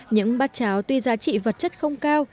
những bát cháo tuy giá trị vật chất không cao